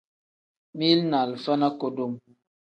Mili ni alifa ni kudum.